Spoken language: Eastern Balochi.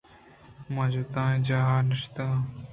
ما جُتائیں جاھے ءَ نشتگ ایں۔